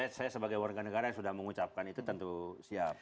ya saya sebagai warga negara yang sudah mengucapkan itu tentu siap